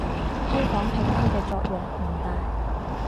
推廣拼音嘅作用唔大